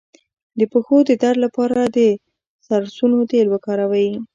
د پښو د درد لپاره د سرسونو تېل وکاروئ